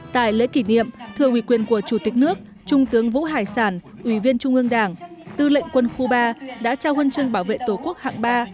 tại lễ kỷ niệm thưa uy quyền của chủ tịch nước trung tướng vũ hải sản ủy viên trung ương đảng tư lệnh quân khu ba đã trao huân chương bảo vệ tổ quốc hạng ba